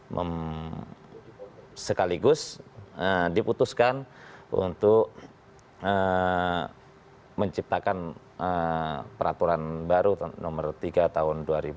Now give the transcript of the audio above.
dan sekaligus diputuskan untuk menciptakan peraturan baru nomor tiga tahun dua ribu tujuh belas